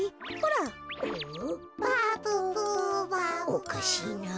おかしいなあ。